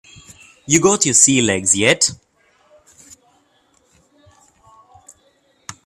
You got your sea legs yet?